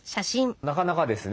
なかなかですね